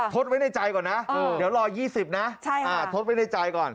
ดไว้ในใจก่อนนะเดี๋ยวรอ๒๐นะทดไว้ในใจก่อน